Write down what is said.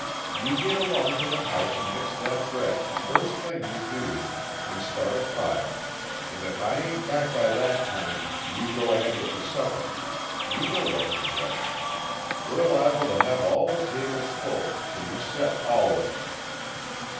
You git along to the house and mix that bread, first thing you do, and start a fire. And if I ain't back by that time, you go ahead with the supper; you know what to git. We're liable to have all the tables full, so you set all of 'em."